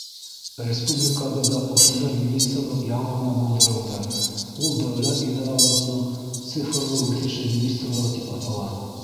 Республикабыҙҙа ошондай министрлыҡ яңы ғына булдырылды - ул Дәүләт идаралығының цифрлы үҫеше министрлығы тип атала.